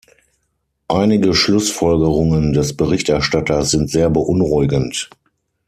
Einige Schlussfolgerungen des Berichterstatters sind sehr beunruhigend.